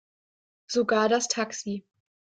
Sogar das Taxi.